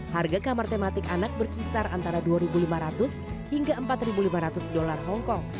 harga kamar tematik anak berkisar antara dua lima ratus hingga empat lima ratus dolar hongkong